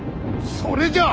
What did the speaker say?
それじゃ！